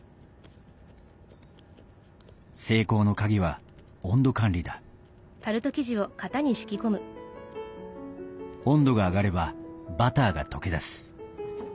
成功の鍵は温度管理だ温度が上がればバターが溶けだす。